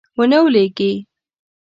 ونه لویږي